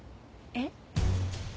えっ？